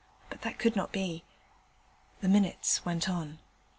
but that could not be. The minutes went on.